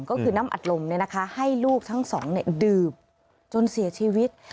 ก็คือน้ำอัดลมให้ลูกทั้งสองดื่มจนเสียชีวิต